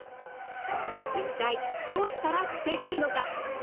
一体どうしたら防げるのか？